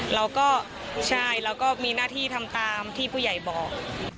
เราก็ใช่เราก็มีหน้าที่ทำตามที่ผู้ใหญ่บอก